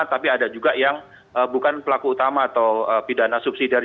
tapi ada juga yang bukan pelaku utama atau pidana subsidi dari